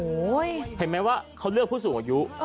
เห็นไหมว่าเขาเลือกผู้สูงอายุ